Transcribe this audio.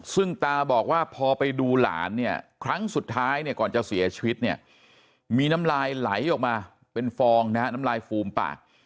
ซึ่งตาบอกว่าพอไปดูหลานครั้งสุดท้ายก่อนจะเสียชีวิตมีน้ำลายไหลออกมาเป็นฟองน้ำลายฟูมปาก